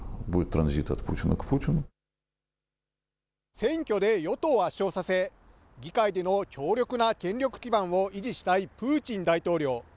選挙で与党を圧勝させ、議会での強力な権力基盤を維持したいプーチン大統領。